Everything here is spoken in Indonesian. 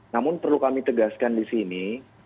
namun perlu kami tegaskan di sini